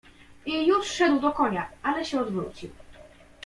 "I już szedł do konia, ale się odwrócił."